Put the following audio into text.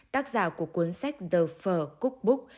tác giả của cuốn sách the phở cookbook